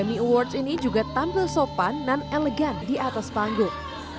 diva dunia mariah carey